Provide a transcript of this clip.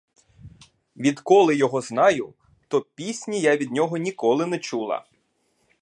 Відколи його знаю, то пісні я від нього ніколи не чула!